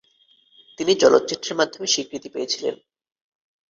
তিনি চলচ্চিত্রের মাধ্যমে স্বীকৃতি পেয়েছিলেন।